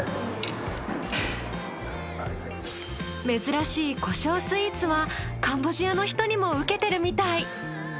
珍しいコショウスイーツはカンボジアの人にもウケてるみたい。